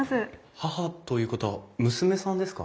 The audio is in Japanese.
母ということは娘さんですか？